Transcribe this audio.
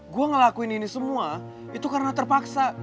gue ngelakuin ini semua itu karena terpaksa